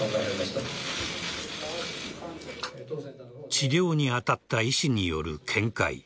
治療に当たった医師による見解